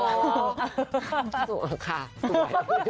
สวยค่ะสวย